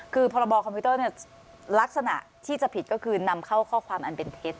คือพรบคอมพิวเตอร์ลักษณะที่จะผิดก็คือนำเข้าข้อความอันเป็นเท็จ